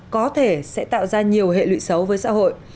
có thể sẽ tạo ra nhiều hệ lụy xấu với xã hội